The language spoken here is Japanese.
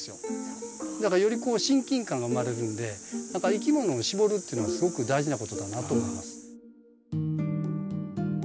だからより親近感が生まれるんで何かいきものをしぼるっていうのはすごく大事なことだなと思います。